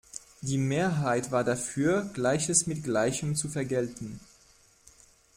Die Mehrheit war dafür, Gleiches mit Gleichem zu vergelten.